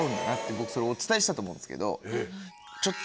僕それお伝えしたと思うんですけど。